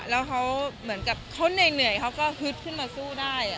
แล้วเขาเหมือนกับเขาเหนื่อยเขาก็ฮึดขึ้นมาสู้ได้